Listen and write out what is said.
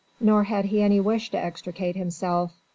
Nor had he any wish to extricate himself.